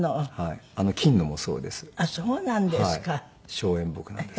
松煙墨なんです。